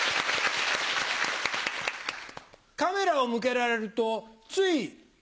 カメラを向けられるとつい。